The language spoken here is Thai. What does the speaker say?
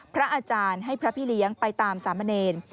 พระอาจารย์ให้พระพี่เลี้ยงไปตามสามเณร